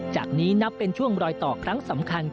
จากนี้นับเป็นช่วงรอยต่อครั้งสำคัญ